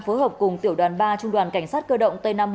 phối hợp cùng tiểu đoàn ba trung đoàn cảnh sát cơ động